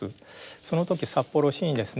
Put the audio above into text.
その時札幌市にですね